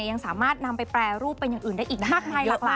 ยังสามารถนำไปแปรรูปเป็นอย่างอื่นได้อีกมากมายหลากหลาย